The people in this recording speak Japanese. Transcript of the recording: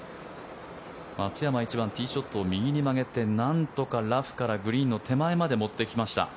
松山、１番ティーショットを右に曲げてなんとかラフからグリーンの手前まで持ってきました。